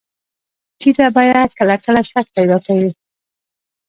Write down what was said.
ټیټه بیه کله کله شک پیدا کوي.